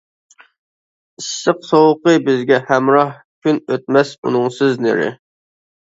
ئىسسىق سوغۇقى بىزگە ھەمراھ كۈن ئۆتمەس ئۇنىڭسىز نېرى!